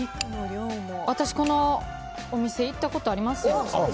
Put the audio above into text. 私、このお店行ったことありますよ。